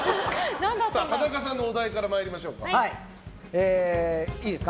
田中さんのお題から参りましょうか。